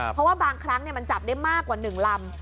เพราะว่าบางครั้งมันจับได้มากกว่า๑ลำ